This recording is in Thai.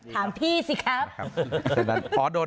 ถามพี่สิครับ